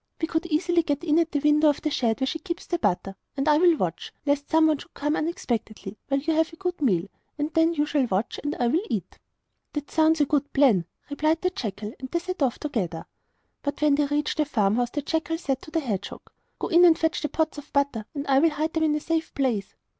We could easily get in at the window of the shed where she keeps the butter, and I will watch, lest some one should come unexpectedly, while you have a good meal. Then you shall watch, and I will eat.' 'That sounds a good plan,' replied the jackal; and they set off together. But when they reached the farmhouse the jackal said to the hedgehog: 'Go in and fetch the pots of butter and I will hide them in a safe place.